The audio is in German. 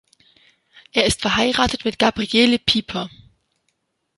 Er ist verheiratet mit Gabriele Pieper.